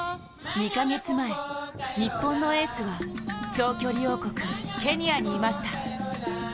２か月前、日本のエースは長距離王国、ケニアにいました。